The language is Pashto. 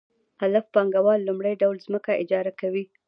الف پانګوال لومړی ډول ځمکه اجاره کوي